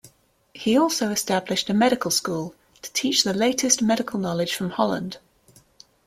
He also established a medical school to teach the latest medical knowledge from Holland.